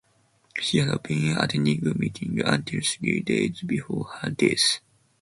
She had been attending meetings until three days before her death.